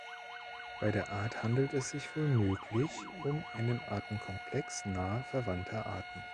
Bei der Art handelt es sich womöglich um einen Artenkomplex nahe verwandter Arten.